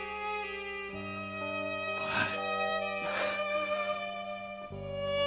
おい！